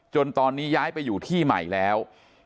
ตอนนี้ย้ายไปอยู่ที่ใหม่แล้ว